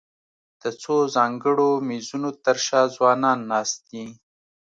د څو ځانګړو مېزونو تر شا ځوانان ناست دي.